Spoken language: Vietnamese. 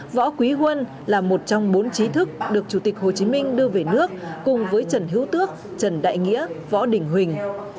võ quý huân là một trong bốn trí thức được chủ tịch hồ chí minh đưa về nước cùng với trần hữu tước trần đại nghĩa võ đình huỳnh